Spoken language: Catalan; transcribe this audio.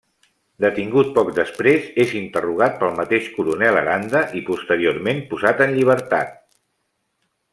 Detingut poc després, és interrogat pel mateix coronel Aranda i posteriorment posat en llibertat.